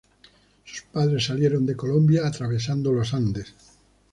Sus padres salieron de Colombia atravesando Los Andes.